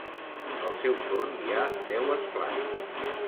Al seu torn hi ha deu esplais.